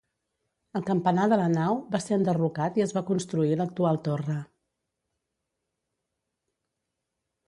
El campanar de la nau va ser enderrocat i es va construir l'actual torre.